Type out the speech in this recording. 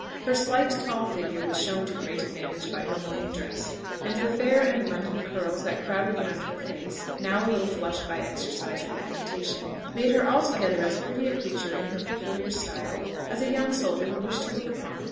Her slight tall figure was shown to great advantage by her mourning dress; and the fair and abundant curls that crowded round her face, now a little flushed by exercise and agitation, made her altogether as pretty a creature in her peculiar style as a young soldier would wish to look upon.